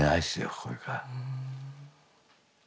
これから。